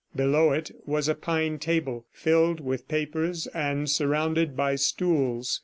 Below it was a pine table filled with papers and surrounded by stools.